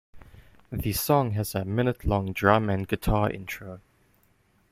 The song has a minute-long drum and guitar intro.